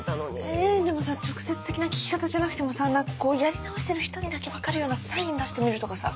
えでもさ直接的な聞き方じゃなくてもさ何かやり直してる人にだけ分かるようなサイン出してみるとかさ。